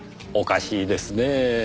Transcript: おかしいですねぇ。